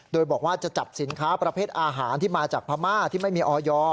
โดยบอกว่าจะจับสินค้าประเภทอาหารที่มาจากพม่าที่ไม่มีออย